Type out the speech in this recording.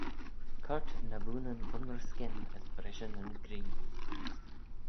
Coyrt naboonyn bun-ry-skyn, as brishey nyn gree.